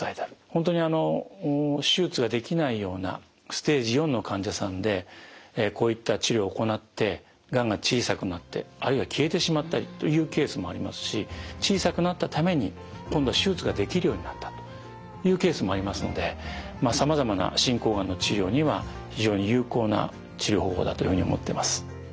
本当にあの手術ができないようなステージⅣの患者さんでこういった治療を行ってがんが小さくなってあるいは消えてしまったりというケースもありますし小さくなったために今度は手術ができるようになったというケースもありますのでさまざまな進行がんの治療には非常に有効な治療方法だというふうに思ってます。